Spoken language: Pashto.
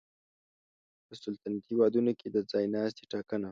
په سلطنتي هېوادونو کې د ځای ناستي ټاکنه